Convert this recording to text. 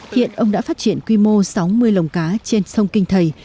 hiện ông đã phát triển quy mô sáu mươi lồng cá trên sông kinh thầy